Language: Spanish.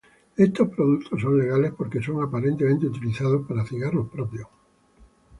Estos productos son legales porque son aparentemente utilizados para cigarros propios.